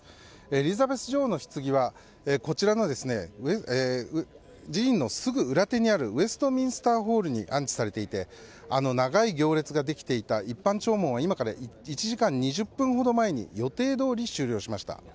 エリザベス女王のひつぎはこちらの寺院のすぐ裏手にあるウェストミンスターホールに安置されていてあの長い行列ができていた一般弔問は今から１時間２０分ほど前に予定どおり終了しました。